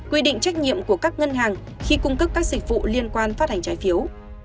quy định trách nhiệm của các ngân hàng khi cung cấp các dịch vụ liên quan phát hành trái phiếu